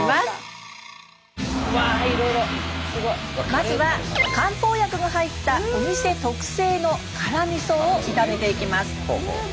まずは漢方薬が入ったお店特製の辛みそを炒めていきます。